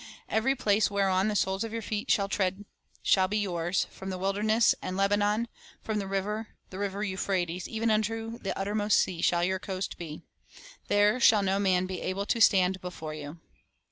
Every place whereon the soles of your feet shall tread shall be yours: from the wilderness and Lebanon, from the river, the river Euphrates, even unto the uttermost sea shall your coast be. There shall no man be able to stand before you."